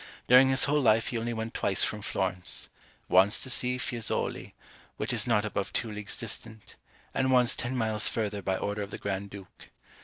During his whole life he only went twice from Florence; once to see Fiesoli, which is not above two leagues distant, and once ten miles further by order of the Grand Duke.